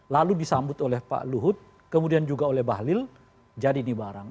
lalu disambut oleh pak luhut kemudian juga oleh bahlil jadi ini barang